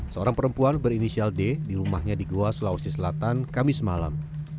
seorang perempuan berinisial d di rumahnya di goa sulawesi selatan kamis malam